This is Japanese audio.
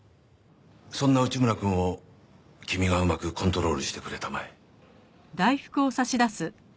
そんな内村くんを君がうまくコントロールしてくれたまえ。